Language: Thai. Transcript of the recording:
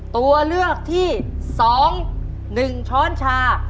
สวัสดีครับ